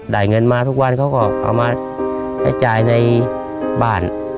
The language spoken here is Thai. ได้เงินมาทุกวันเขาก็เอามาใช้จ่ายในบ้าน